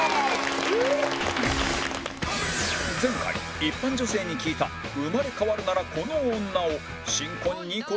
前回一般女性に聞いた生まれ変わるならこの女を新婚ニコルが予想！